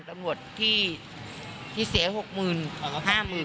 ตำรวจที่เสีย๖หมื่น๕หมื่น